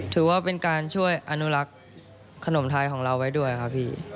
ถือว่าเป็นการช่วยอนุรักษ์ขนมไทยของเราไว้ด้วยครับพี่